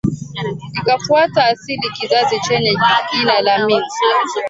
Ikafuata asili kizazi chenye jina la Ming